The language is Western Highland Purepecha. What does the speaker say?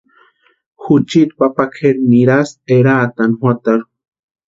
Juchiti papakʼeri nirasti eraatani juatarhu.